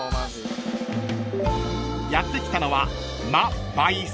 ［やって来たのは］